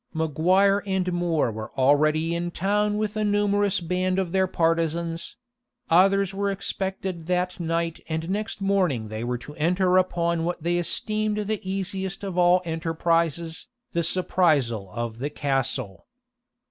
Maguire and More were already in town with a numerous band of their partisans; others were expected that night and next morning they were to enter upon what they esteemed the easiest of all enterprises, the surprisal of the castle.